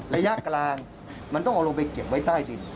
ระยะกลางมันต้องเอาลงไปเก็บไว้ใต้ดิน